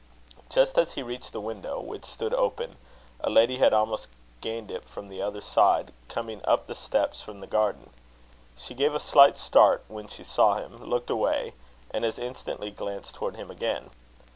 Just as he reached the window, which stood open, a lady had almost gained it from the other side, coming up the steps from the garden. She gave a slight start when she saw him, looked away, and as instantly glanced towards him again.